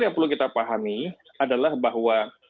yang perlu kita pahami adalah bahwa